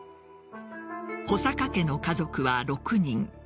穂坂家の家族は６人。